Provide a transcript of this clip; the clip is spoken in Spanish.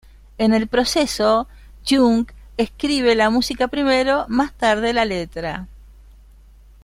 En el proceso, Young escribe la música primero, más tarde la letra.